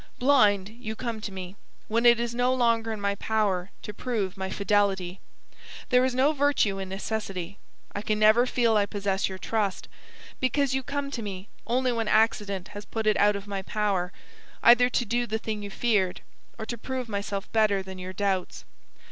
Blind, you come to me, when it is no longer in my power to prove my fidelity. There is no virtue in necessity. I can never feel I possess your trust, because you come to me only when accident has put it out of my power either to do the thing you feared, or to prove myself better than your doubts.'